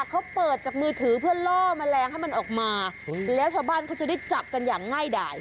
เขาเปิดจากมือถือเพื่อล่อแมลงให้มันออกมาแล้วชาวบ้านเขาจะได้จับกันอย่างง่ายดาย